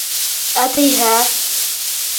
— Ә тейһә?